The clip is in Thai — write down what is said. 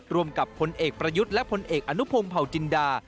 ร่วมกับพลเอกประยุทธ์และผลเอกอนุพงศ์เผาจินดา